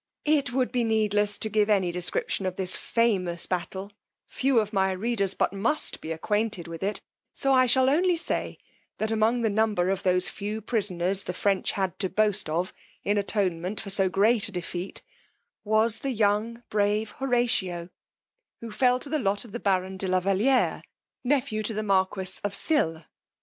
It would be needless to give any description of this famous battle, few of my readers but must be acquainted with it, so I shall only say, that among the number of those few prisoners the French had to boast of in attonement for so great a defeat, was the young brave Horatio, who fell to the lot of the baron de la Valiere, nephew to the marquis of Sille.